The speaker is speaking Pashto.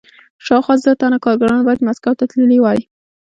شاوخوا زر تنه کارګران باید مسکو ته تللي وای